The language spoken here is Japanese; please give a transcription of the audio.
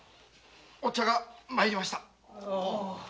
お茶が参りました。